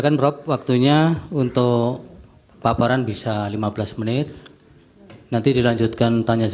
saya masuk lagi di saksi ahli yang lainnya